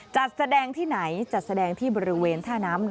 จัดแสดงที่ไหนจัดแสดงที่บริเวณท่าน้ำ